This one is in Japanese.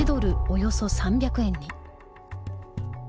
およそ３００円に。